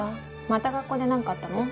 また学校でなんかあったの？